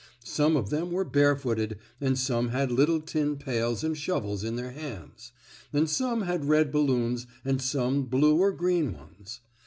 Some of them were barefooted, and some had little tin pails and shovels in their hands, and some had red balloons and some blue or green ones.